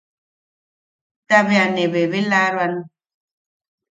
Ta bea ne bebelaaroan.